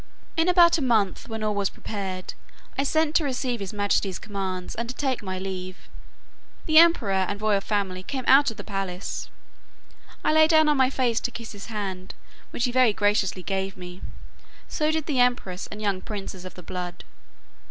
In about a month, when all was prepared, I sent to receive his majesty's commands, and to take my leave. The emperor and royal family came out of the palace; I lay down on my face to kiss his hand, which he very graciously gave me: so did the empress and young princes of the blood.